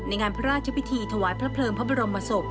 งานพระราชพิธีถวายพระเพลิงพระบรมศพ